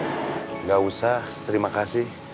enggak usah terima kasih